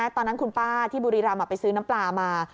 ตอนนั้นคุณป้าที่บุรีรำไปซื้อน้ำปลามา